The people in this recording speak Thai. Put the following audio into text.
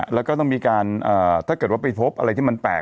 แล้วก็ต้องมีการถ้าเกิดว่าไปพบอะไรที่มันแปลก